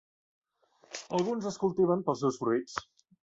Alguns es cultiven pels seus fruits.